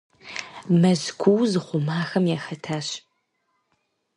Мэзкуу зыхъумахэм яхэтащ.